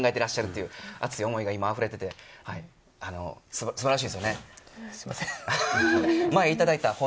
てらっしゃる熱い思いがあふれていて素晴らしいですよね。